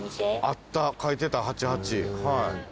あった書いてた８８。